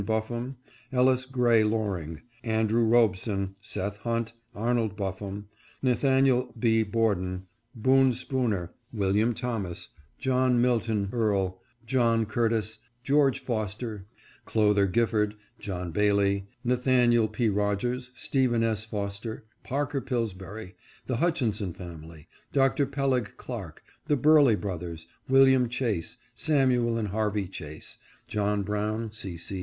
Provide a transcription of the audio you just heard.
Buffum, Ellis Gray Loring, Andrew Robeson, Seth Hunt, Arnold Buffum, Nathaniel B. Borden, Boone Spooner, William Thomas, John Milton Earle, John Cur 568 NAMES OF MANY OLD FRIENDS. tis, George Foster, Clother Gifford, John Bailey, Nathan iel P. Rodgers, Stephen S. Foster, Parker Pillsbury, the Hutchinson family, Dr. Peleg Clark, the Burleigh broth ers, William Chase, Samuel and Harvey Chase, John Brown, C. C.